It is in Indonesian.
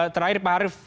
terakhir pak harif